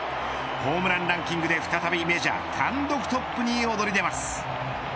ホームランランキングで、再びメジャー単独トップに躍り出ます。